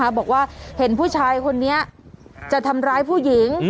บอกว่าเห็นผู้ชายคนนี้จะทำร้ายผู้หญิง